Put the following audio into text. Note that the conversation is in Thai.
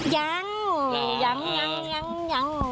ยัง